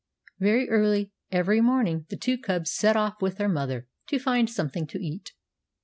Very early every morning the two cubs set off with their mother to find something to eat.